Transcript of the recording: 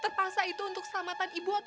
terpaksa itu untuk keselamatan ibu atau anaknya